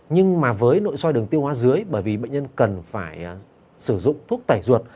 nhưng mà với nội soi đường tiêu hóa dưới bởi vì bệnh nhân cần phải sử dụng thuốc tẩy ruột